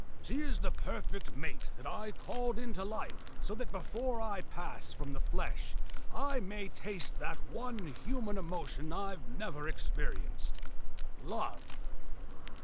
She is the perfect mate that I called into life so that before I pass from the flesh I may taste that one human emotion I've never experienced love."